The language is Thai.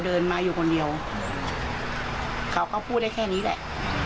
เดินมาอยู่คนเดียวเขาก็พูดได้แค่นี้แหละ